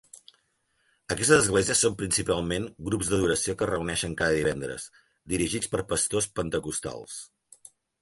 Aquestes esglésies són principalment grups d'adoració que es reuneixen cada divendres, dirigits per pastors pentecostals.